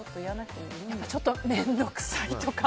ちょっと面倒くさいとか。